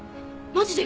マジで！？